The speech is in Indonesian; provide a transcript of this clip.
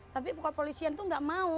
tapi pokok pokok itu tidak mau